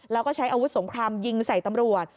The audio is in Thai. แล้วก็ใช้อาวุธสงครามยิงใส่ตำรวจ